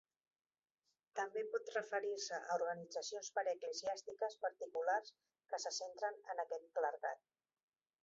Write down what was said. També pot referir-se a organitzacions paraeclesiàstiques particulars que se centren en aquest clergat.